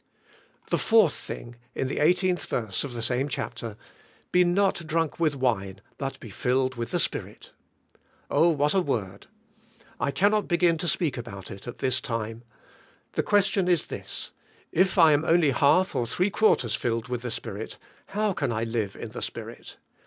4. The fourth thing, in the 18th verse of the same chapter: "Be not drunk with wine but be I'HK HOIvY SPIRIT IN KPHKSIANS. 69 filled with the Spirit." Oh what a word! I cannot begin to speak about it at this time. The question is this: If I am only half or three quarters filled with the Spirit, how can I live in the Spirit?